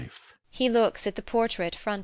[He looks at the portrait frontise].